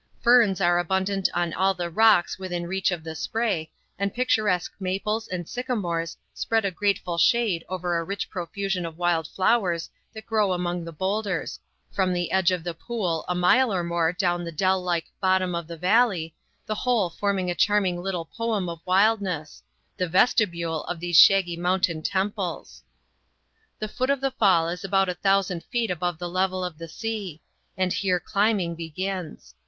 Ferns are abundant on all the rocks within reach of the spray, and picturesque maples and sycamores spread a grateful shade over a rich profusion of wild flowers that grow among the boulders, from the edge of the pool a mile or more down the dell like bottom of the valley, the whole forming a charming little poem of wildness—the vestibule of these shaggy mountain temples. The foot of the fall is about a thousand feet above the level of the sea, and here climbing begins.